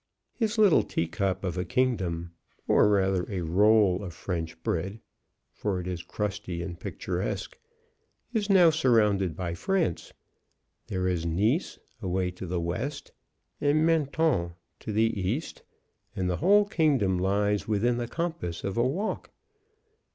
His little teacup of a kingdom, or rather a roll of French bread, for it is crusty and picturesque, is now surrounded by France. There is Nice away to the west, and Mentone to the east, and the whole kingdom lies within the compass of a walk.